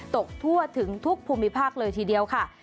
ตกทั่วถึงทุกภูมิภาคเลยทีเดียวค่ะ